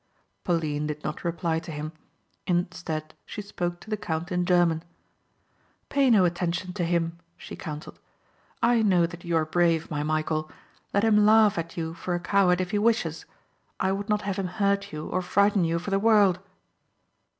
Pauline did not reply to him. Instead she spoke to the count in German. "Pay no attention to him," she counselled. "I know that you are brave, my Michæl. Let him laugh at you for a coward if he wishes. I would not have him hurt you or frighten you for the world."